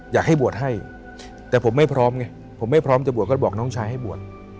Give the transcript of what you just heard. อยากให้บวชให้แต่ผมไม่พร้อมไงผมไม่พร้อมจะบวชก็บอกน้องชายให้บวช